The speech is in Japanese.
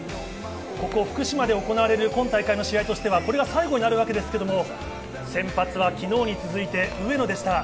ここ福島で行われる今大会の試合としてはこれが最後になるわけですが、先発は昨日に続いて上野でした。